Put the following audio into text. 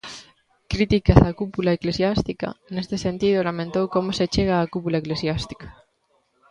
Críticas á cúpula eclesiástica Neste sentido, lamentou como se chega á cúpula eclesiástica.